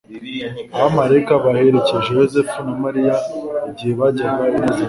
Abamalayika baherekeje Yosefu na Mariya igihe bajyaga i Nazareti,